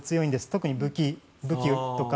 特に武器とか。